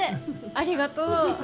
ありがとう。